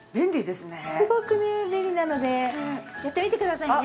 すごくね便利なのでやってみてくださいね。